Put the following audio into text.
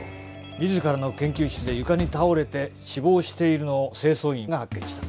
自らの研究室で床に倒れて死亡しているのを清掃員が発見した。